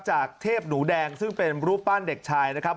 จากเทพหนูแดงซึ่งเป็นรูปปั้นเด็กชายนะครับ